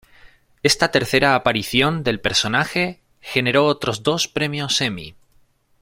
Esta tercera aparición del personaje generó otros dos premios Emmy.